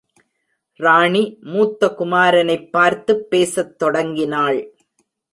ராணி மூத்த குமாரனைப் பார்த்துப் பேசத் தொடங்கினாள்.